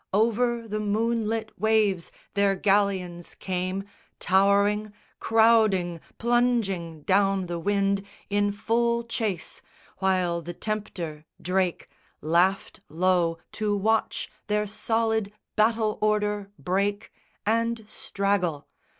Over the moonlit waves their galleons came Towering, crowding, plunging down the wind In full chase, while the tempter, Drake, laughed low To watch their solid battle order break And straggle.